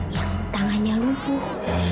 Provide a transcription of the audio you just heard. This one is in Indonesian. yang tangannya luhuh